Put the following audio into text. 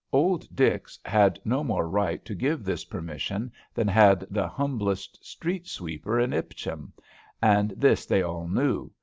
Old Dix had no more right to give this permission than had the humblest street sweeper in Ispahan, and this they all knew.